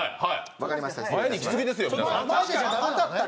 分かりました。